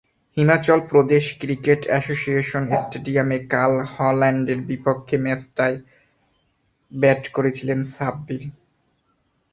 Himachal Pradesh cricket association স্টেডিয়ামে কাল হল্যান্ডের বিপক্ষে ম্যাচটায় ব্যাট করছিলেন সাব্বির।